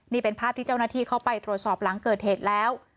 นี่เป็นภาพที่เจ้าหน้าที่เข้าไปตรวจสอบหลังเกิดเหตุแล้ว